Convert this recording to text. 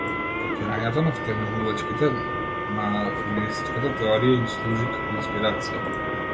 Потпирањето на втемелувачките на феминистичката теорија им служи како инспирација.